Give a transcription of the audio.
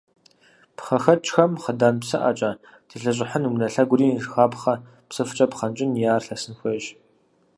ПхъэхэкӀхэм хъыдан псыӀэкӀэ телъэщӀыхьын, унэ лъэгури жыхапхъэ псыфкӀэ пхъэнкӀын е ар лъэсын хуейщ.